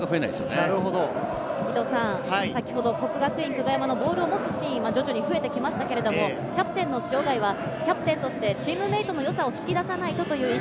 先ほど國學院久我山のボールを持つシーン、徐々に増えてきましたが、キャプテンの塩貝はキャプテンとしてチームメイトの良さを引き出さないとという意識。